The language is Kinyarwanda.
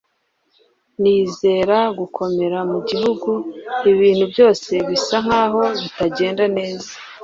nizera gukomera mugihe ibintu byose bisa nkaho bitagenda neza